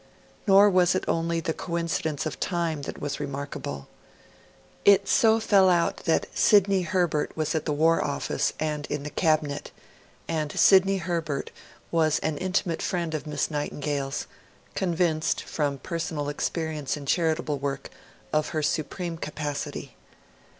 Nor was it only the coincidence of time that was remarkable. It so fell out that Sidney Herbert was at the War Office and in the Cabinet; and Sidney Herbert was an intimate friend of Miss Nightingale's, convinced, from personal experience in charitable work, of her supreme capacity.